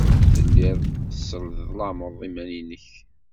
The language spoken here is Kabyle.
Tellid tesseḍlamed iman-nnek.